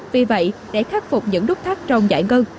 vì vậy để khắc phục những nút thắt trong giải ngân